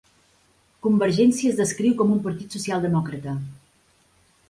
Convergencia es descriu com un partit socialdemòcrata.